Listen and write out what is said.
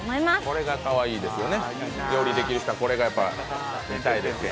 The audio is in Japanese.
これがかわいいですよね、料理できる人はこれがやっぱ。